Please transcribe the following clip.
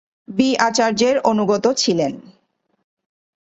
B আচার্যের অনুগত ছিলেন।